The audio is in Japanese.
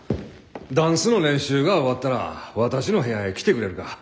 ダンスの練習が終わったら私の部屋へ来てくれるか？